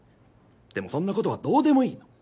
でもそんな事はどうでもいいの。